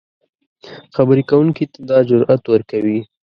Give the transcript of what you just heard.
خبرې کوونکي ته دا جرات ورکوي